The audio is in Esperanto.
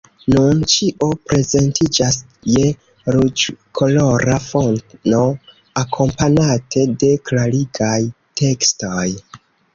Nun ĉio prezentiĝas je ruĝkolora fono, akompanate de klarigaj tekstoj.